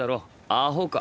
アホか。